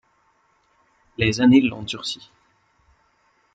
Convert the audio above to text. Les années l'ont durci.